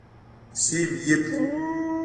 پښې مې یبلي